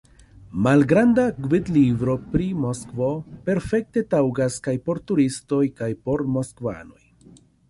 Malgranda gvidlibro pri Moskvo perfekte taŭgas kaj por turistoj kaj por moskvanoj.